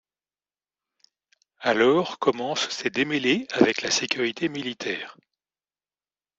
Alors commencent ses démêlés avec la Sécurité militaire.